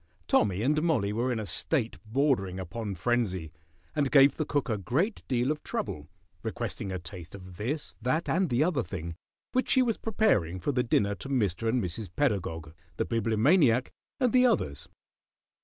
Tommy and Mollie were in a state bordering upon frenzy, and gave the cook a great deal of trouble, requesting a taste of this, that, and the other thing, which she was preparing for the dinner to Mr. and Mrs. Pedagog, the Bibliomaniac, and the others.